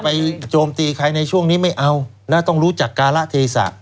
ไม่อยากจะไปโจมตีใครในช่วงนี้ไม่เอาน่าต้องรู้จักการะเทศะ